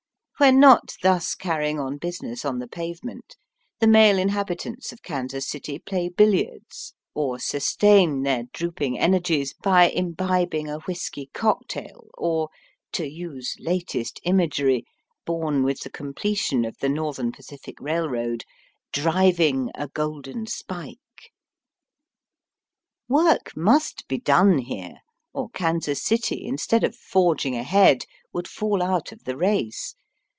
When not thus carrying on business on the pavement, the male inhabitants of Kansas City play billiards, or sustain their drooping energies by imbibing a whisky cocktail, or, to Digitized by VjOOQIC 42 EAST BY WEST. use latest imagery, born with the completion of the Northern Pacific Eailroad, *^ driving a golden spike." Work must be done here, or Kansas City, instead of forging ahead, would fall out of the race.